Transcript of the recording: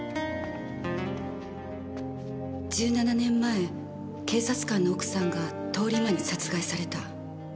１７年前警察官の奥さんが通り魔に殺害された。